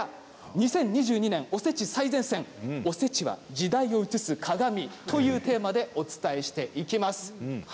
２０２２年おせち最前線おせちは時代を映す鏡というテーマでお伝えしていきます。